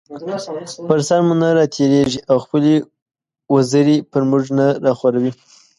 پر سر مو نه راتېريږي او خپلې وزرې پر مونږ نه راخوروي